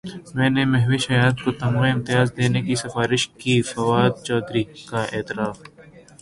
میں نے مہوش حیات کو تمغہ امتیاز دینے کی سفارش کی فواد چوہدری کا اعتراف